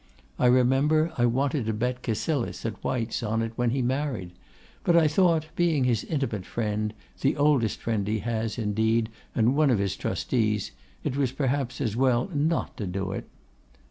I remember I wanted to bet Cassilis, at White's, on it when he married; but I thought, being his intimate friend; the oldest friend he has, indeed, and one of his trustees; it was perhaps as well not to do it.